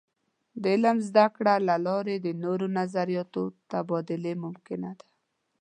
د علم د زده کړې له لارې د نوو نظریاتو د تبادلې ممکنه ده.